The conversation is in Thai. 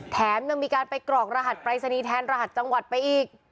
แถมยังมีการไปกรอกรหัสปรายศนีย์แทนรหัสจังหวัดไปอีก